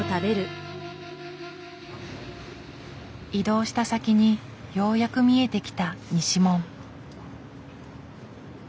移動した先にようやく見えてきた西門。